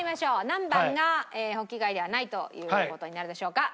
何番がホッキ貝ではないという事になるでしょうか？